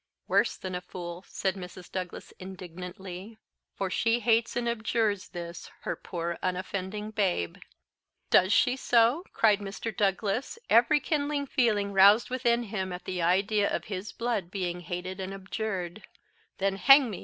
"Worse than a fool," said Mrs. Douglas indignantly, "for she hates and abjures this her poor unoffending babe" "Does she so?" cried Mr. Douglas, every kindling feeling roused within him at the idea of his blood being hated and abjured; "then, hang me!